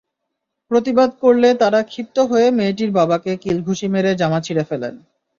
প্রতিবাদ করলে তাঁরা ক্ষিপ্ত হয়ে মেয়েটির বাবাকে কিল-ঘুষি মেরে জামা ছিঁড়ে ফেলেন।